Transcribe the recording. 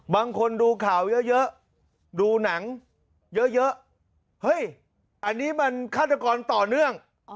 บางคนดูข่าวเยอะดูหนังเยอะเฮ้ยอันนี้มันฆาตกรต่อเนื่อง